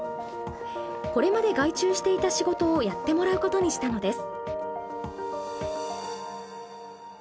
これまで外注していた仕事をやってもらうことにしたのです。